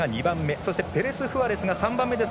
そして、ペレスフアレスが３番目。